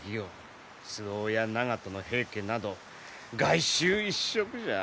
周防や長門の平家など鎧袖一触じゃ。